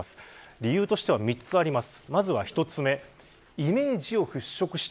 理由としては３つあります。